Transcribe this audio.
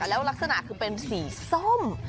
แล้วลักษณะคือเป็นสีส้ม